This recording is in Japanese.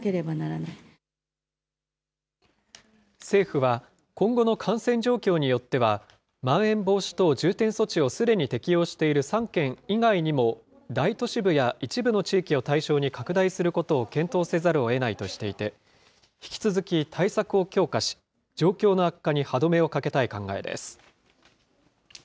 政府は、今後の感染状況によっては、まん延防止等重点措置をすでに適用している３県以外にも、大都市部や一部の地域を対象に拡大することを検討せざるをえないとしていて、引き続き対策を強化し、状況の悪化に歯止めをかけたい考えです。